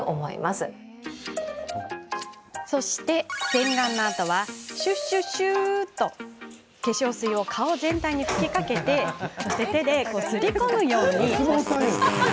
洗顔のあとはシュシュッシューと化粧水を顔全体に吹きかけって手で、すり込むように保湿します。